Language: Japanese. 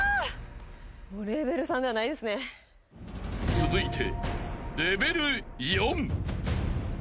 ［続いて］